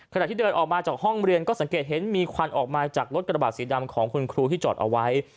ขณะที่เดินออกมาจากห้องเรียนก็สังเกตเห็นมีควันออกมาจากรถกระบาดสีดำของคุณครูที่จอดเอาไว้